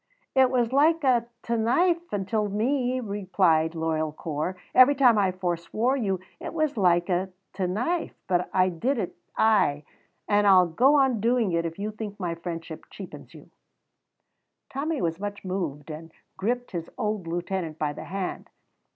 "It was like a t' knife intil me," replied loyal Corp; "every time I forswore you it was like a t' knife, but I did it, ay, and I'll go on doing it if you think my friendship cheapens you." Tommy was much moved, and gripped his old lieutenant by the hand.